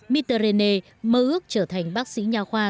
mittenare mơ ước trở thành bác sĩ nhà khoa